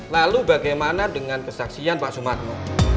lalu bagaimana dengan kesaksian pak sumarno